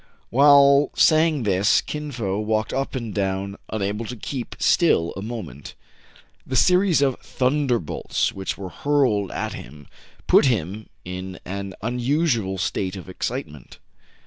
While saying this, Kin Fo walked up and down, unable to keep still a moment. The series of thunderbolts which were hurled at him put him in an unusual state of excitement.